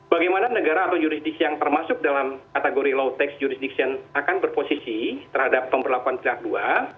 bagaimana negara atau jurisdiksi yang termasuk dalam kategori low tax jurisdiction akan berposisi terhadap pemberlakuan pihak dua